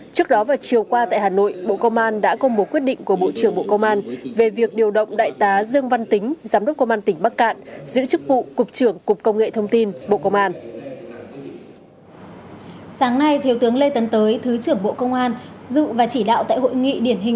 trước đó vào chiều qua tại hà nội bộ công an đã công bố quyết định của bộ trưởng bộ công an về việc điều động đại tá dương văn tính giám đốc công an tỉnh bắc cạn giữ chức vụ cục trưởng cục công nghệ thông tin bộ công an